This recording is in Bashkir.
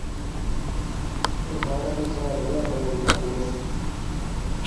Ул барыһын сығарҙы ла, Даянға һондо.